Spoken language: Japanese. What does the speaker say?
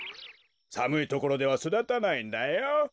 さむいところではそだたないんだよ。